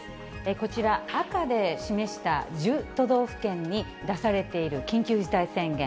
こちら、赤で示した１０都道府県に出されている緊急事態宣言。